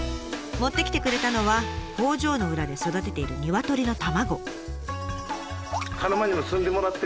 持ってきてくれたのは工場の裏で育てている鶏の卵。